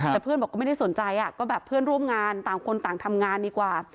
แต่เพื่อนบอกก็ไม่ได้สนใจก็แบบเพื่อนร่วมงานต่างคนต่างทำงานดีกว่า